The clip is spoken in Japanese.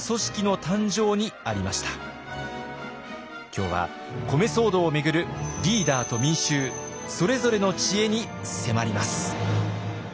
今日は米騒動を巡るリーダーと民衆それぞれの知恵に迫ります。